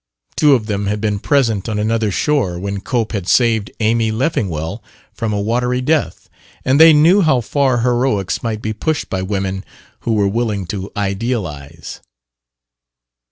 Two of them had been present on another shore when Cope had "saved" Amy Leffingwell from a watery death, and they knew how far heroics might be pushed by women who were willing to idealize.